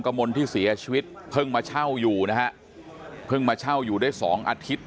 มลที่เสียชีวิตเพิ่งมาเช่าอยู่นะฮะเพิ่งมาเช่าอยู่ได้สองอาทิตย์